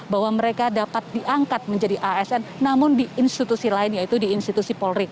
bahwa mereka dapat diangkat menjadi asn namun di institusi lain yaitu di institusi polri